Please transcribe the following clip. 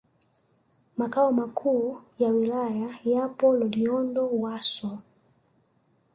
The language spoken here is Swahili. Makao Makuu ya Wilaya yapo Loliondo Wasso